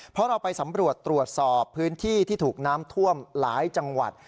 เพราะเราไปสำรวจตรวจสอบพื้นที่ที่ถูกน้ำท่วมหลายจังหวัด